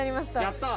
やった！